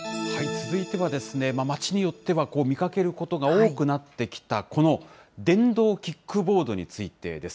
続いては、街によっては見かけることが多くなってきた、この電動キックボードについてです。